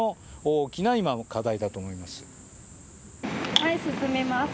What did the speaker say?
はい進みます。